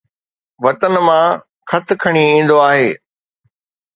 وطن مان خط کڻي ايندو آهي